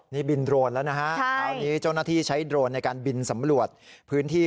นี่บินโดรนแล้วนะฮะคราวนี้เจ้าหน้าที่ใช้โดรนในการบินสำรวจพื้นที่